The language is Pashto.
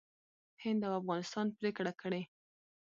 هند او افغانستان پرېکړه کړې